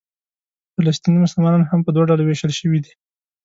فلسطیني مسلمانان هم په دوه ډوله وېشل شوي دي.